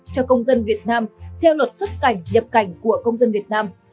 cho công dân việt nam theo luật xuất cảnh nhập cảnh của công dân việt nam